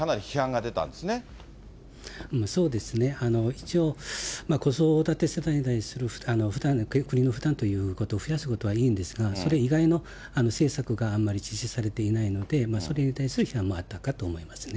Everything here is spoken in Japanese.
一応、子育て世帯に対する負担を国の負担を増やすことはいいんですが、それ以外の政策があんまり実施されていないので、それに対する批判もあったかと思いますね。